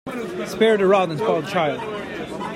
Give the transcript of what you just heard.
Spare the rod and spoil the child.